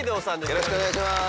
よろしくお願いします。